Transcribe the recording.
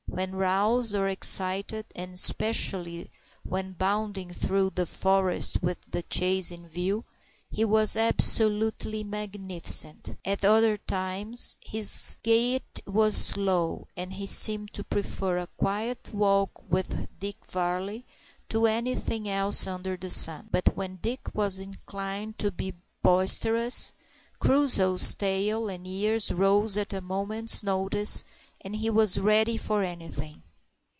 When roused or excited, and especially when bounding through the forest with the chase in view, he was absolutely magnificent. At other times his gait was slow, and he seemed to prefer a quiet walk with Dick Varley to anything else under the sun. But when Dick was inclined to be boisterous, Crusoe's tail and ears rose at a moment's notice, and he was ready for anything.